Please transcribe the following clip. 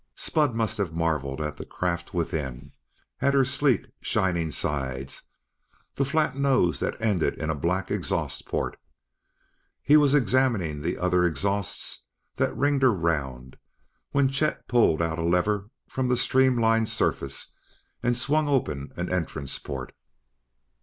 Spud must have marveled at the craft within; at her sleek, shining sides; the flat nose that ended in a black exhaust port. He was examining the other exhausts that ringed her round when Chet pulled out a lever from the streamlined surface and swung open an entrance port.